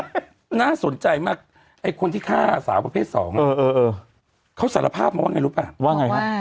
เธอน่าสนใจมากไอ้คนที่ฆ่าสาวประเภทสองเออเออเออเขาสารภาพมาว่าไงรู้ปะว่าไงครับ